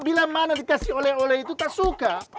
bila mana dikasih oleh oleh itu tak suka